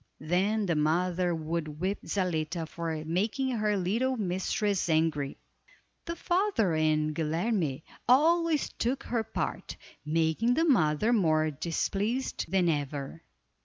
Then the mother would whip Zaletta for making her little mistress angry. The father and Guilerme always took her part, making the mother more displeased than ever.